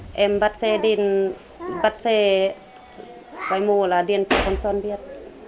em bắt xe đến bắt xe bài mô là đi đến con son biết